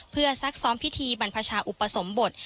เพื่อซักซ้อมพิธีบรรพชาอุปสมบท